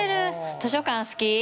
図書館、好き？